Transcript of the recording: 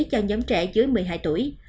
cho nhóm trẻ dưới một mươi hai tuổi